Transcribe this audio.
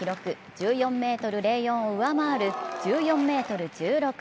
１４ｍ０４を上回る１４ｍ１６。